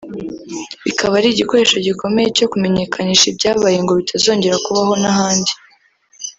bikaba ari igikoresho gikomeye cyo kumenyekanisha ibyabaye ngo bitazongera kubaho n’ahandi